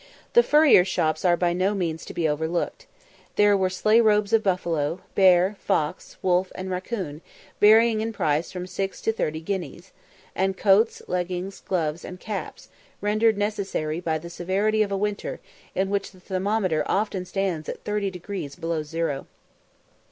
The furriers' shops are by no means to be overlooked. There were sleigh robes of buffalo, bear, fox, wolf, and racoon, varying in price from six to thirty guineas; and coats, leggings, gloves, and caps, rendered necessary by the severity of a winter in which the thermometer often stands at thirty degrees below zero.